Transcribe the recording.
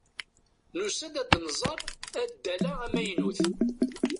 Nusa-d ad nẓer addal-a amaynut.